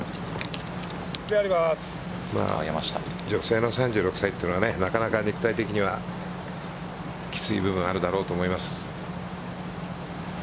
女性の３６歳というのはなかなか肉体的にはきつい部分もあるだろうと思います。